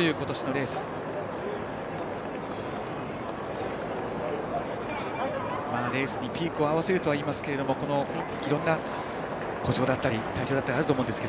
レースにピークを合わせるといいますけどいろんな故障だったり体調だったりがあると思いますが。